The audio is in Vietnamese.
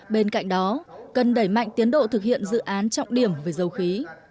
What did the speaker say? bên cạnh đó cần đẩy mạnh tiến độ thực hiện dự án trọng điểm về dầu khí